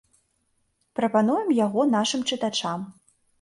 Прапануем яго нашым чытачам.